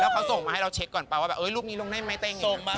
แล้วเขาส่งมาให้เราเช็คก่อนป่ะว่าแบบรูปนี้ลงได้มั้ยเต้งอย่างนั้น